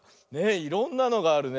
いろんなのがあるね。